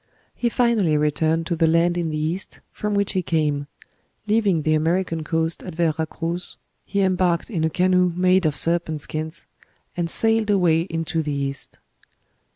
He finally returned to the land in the East from which he came: leaving the American coast at Vera Cruz, he embarked in a canoe made of serpent skins, and 'sailed away into the east.'"